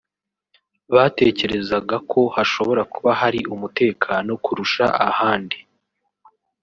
batekerezaga ko hashobora kuba hari umutekano kurusha ahandi